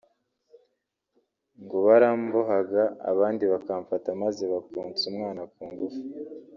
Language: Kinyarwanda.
ngo barambohaga abandi bakamfata maze bakonsa umwana kungufu